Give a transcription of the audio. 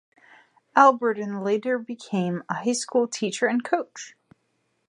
Albritton later became a high school teacher and coach.